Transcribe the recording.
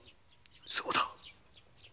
そうだ！